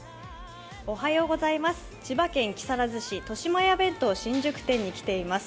千葉県木更津市としまや弁当新宿店に来ています。